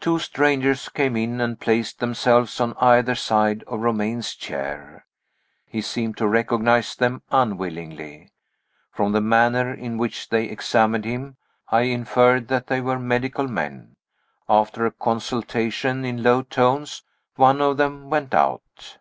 Two strangers came in and placed themselves on either side of Romayne's chair. He seemed to recognize them unwillingly. From the manner in which they examined him, I inferred that they were medical men. After a consultation in low tones, one of them went out.